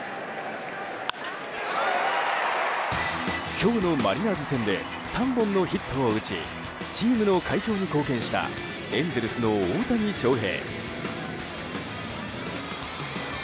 今日のマリナーズ戦で３本のヒットを打ちチームの快勝に貢献したエンゼルスの大谷翔平。